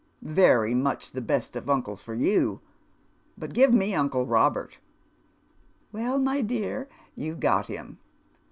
" Very much the best of uncles for you, but give me uncle Robert." " Well, my dear, you've got him.